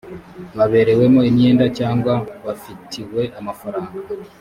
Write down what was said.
baberewemo imyenda cyangwa bafitiwe amafaranga